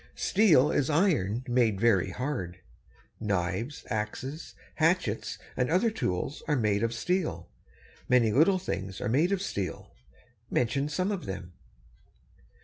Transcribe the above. Steel is iron made very hard. Knives, axes, hatchets, and other tools are made of steel. Many little things are made of steel. Mention some of them.